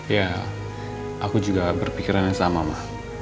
ya aku juga berpikiran yang sama mah